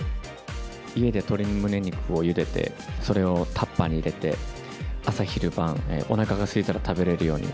家で鶏胸肉をゆでて、それをタッパーに入れて、朝昼晩、おなかがすいたら食べれるように。